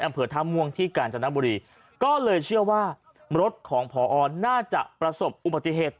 อำเภอท่าม่วงที่กาญจนบุรีก็เลยเชื่อว่ารถของพอน่าจะประสบอุบัติเหตุ